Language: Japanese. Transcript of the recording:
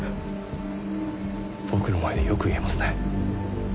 僕の前でよく言えますね。